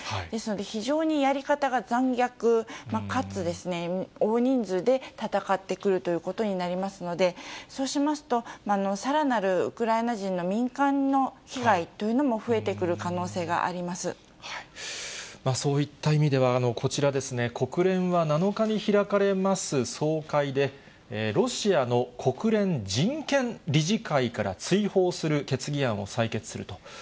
ですので非常にやり方が残虐かつ大人数で戦ってくるということになりますので、そうしますと、さらなるウクライナ人の民間の被害というのも増えてくる可能性がそういった意味では、こちらですね、国連は７日に開かれます総会で、ロシアの国連人権理事会から追放する決議案を採決すると。